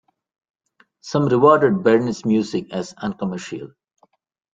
Some regarded Berne's music as uncommercial.